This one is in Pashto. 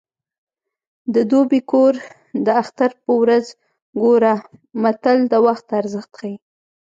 د دوبي کور د اختر په ورځ ګوره متل د وخت ارزښت ښيي